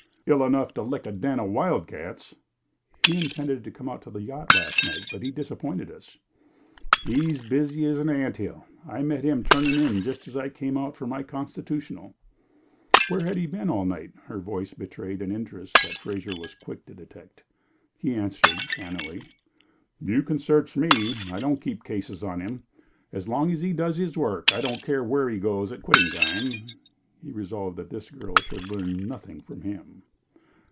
"Ill enough to lick a den of wildcats." "He intended coming out to the yacht last night, but he disappointed us." "He's as busy as an ant hill. I met him turning in just as I came out for my constitutional." "Where had he been all night?" Her voice betrayed an interest that Fraser was quick to detect. He answered, cannily: "You can search me! I don't keep cases on him. As long as he does his work, I don't care where he goes at quitting time." He resolved that this girl should learn nothing from him.